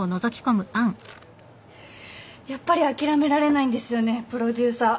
やっぱり諦められないんですよねプロデューサー。